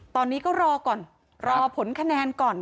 ตอนนี้ก็รอก่อนรอผลคะแนนก่อน